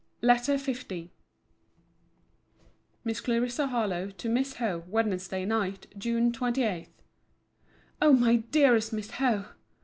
LETTER L MISS CLARISSA HARLOWE, TO MISS HOWE WEDNESDAY NIGHT, JUNE 28. O MY DEAREST MISS HOWE!